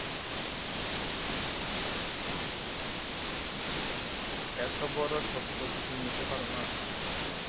Islamic ইতিহাস চলাকালীন এই শব্দটি নতুন অর্থ অর্জন করেছিল, যা পার্থিব কার্যনির্বাহী ক্ষমতা বা আদালতের সিদ্ধান্ত উল্লেখ করতে ব্যবহৃত হচ্ছে।